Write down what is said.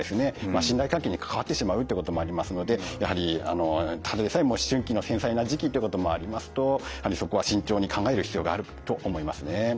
信頼関係に関わってしまうということもありますのでやはりただでさえ思春期の繊細な時期っていうこともありますとやはりそこは慎重に考える必要があると思いますね。